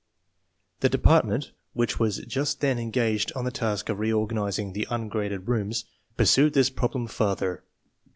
The Department, which was just then engaged on the task of reorganizing the Ungraded Rooms, pursued this problem farther.